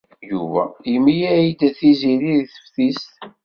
Yuba yemlal-d Tiziri deg teftist.